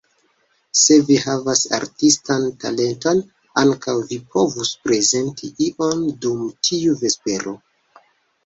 Se vi havas artistan talenton, ankaŭ vi povus prezenti ion dum tiu vespero.